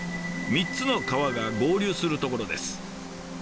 ３つの川が合流するところです。